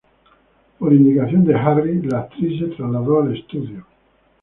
Por indicación de Harry, la actriz se trasladó al estudio.